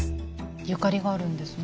ゆかりがあるんですね。